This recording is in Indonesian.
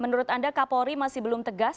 menurut anda kapolri masih belum tegas